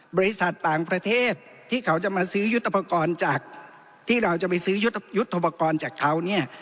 บริษัทต่างประเทศที่เขาจะมาซื้อยุทธปกรณ์จากที่เราจะไปซื้อยุทธโปรกรณ์จากเขาเนี่ย